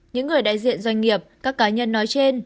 những người đại diện doanh nghiệp các cá nhân nói trên